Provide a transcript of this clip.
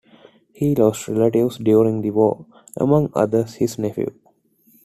He lost relatives during the war, among others, his nephew.